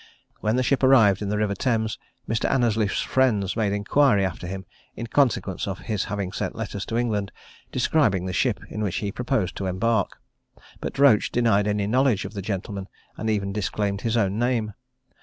When the ship arrived in the river Thames, Mr. Annesley's friends made inquiry after him, in consequence of his having sent letters to England, describing the ship in which he proposed to embark; but Roach denied any knowledge of the gentleman, and even disclaimed his own name.